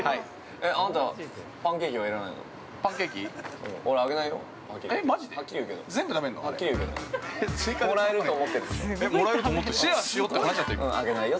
あなた、パンケーキはいらないの？